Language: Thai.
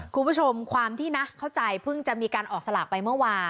คุณผู้ชมความที่นะเข้าใจเพิ่งจะมีการออกสลากไปเมื่อวาน